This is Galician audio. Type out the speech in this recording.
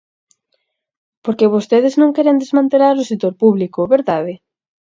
Porque vostedes non queren desmantelar o sector público, ¿verdade?